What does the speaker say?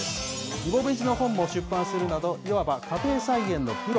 リボベジの本も出版するなど、いわば家庭菜園のプロ。